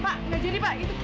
pak enggak jadi pak